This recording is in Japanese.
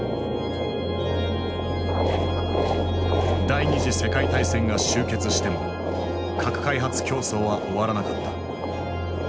第二次世界大戦が終結しても核開発競争は終わらなかった。